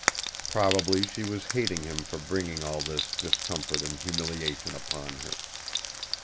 Probably she was hating him for bringing all this discomfort and humiliation upon her.